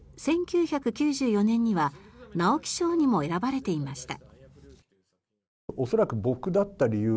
１９９４年には直木賞にも選ばれていました。